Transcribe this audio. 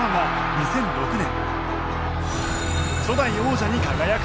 ２００９年。